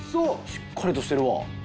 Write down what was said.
しっかりとしてるわ。